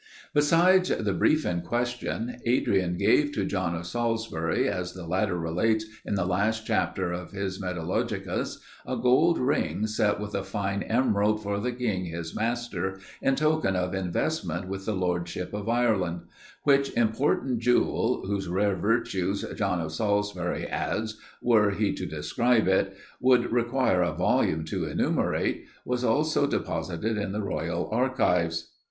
Besides the brief in question, Adrian gave to John of Salisbury, as the latter relates in the last chapter of his Metalogicus, a gold ring set with a fine emerald, for the king his master, in token of investment with the Lordship of Ireland; which important jewel, whose rare virtues, John of Salisbury adds, were he to describe, would require a volume to enumerate, was also deposited in the royal archives.